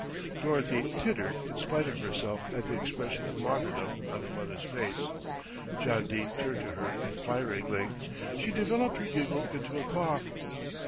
Dorothy tittered in spite of herself at the expression of martyrdom on her mother's face. John Dene turned to her enquiringly; she developed her giggle into a cough.